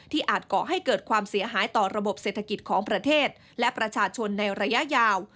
อาจก่อให้เกิดความเสียหายต่อระบบเศรษฐกิจของประเทศและประชาชนในระยะยาว